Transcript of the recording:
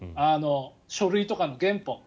書類とかの原本。